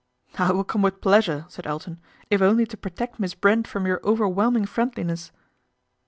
" I will come with pleasure," said Elton, " if only to protect Miss Brent from your overwhelm ing friendliness."